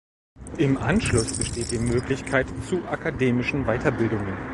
Im Anschluss besteht die Möglichkeit zu akademischen Weiterbildungen.